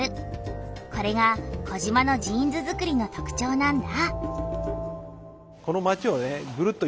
これが児島のジーンズづくりの特徴なんだ。